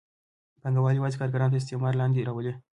پانګوال یوازې کارګران تر استثمار لاندې راولي.